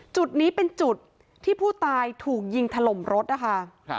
จุดนี้เป็นจุดที่ผู้ตายถูกยิงถล่มรถนะคะ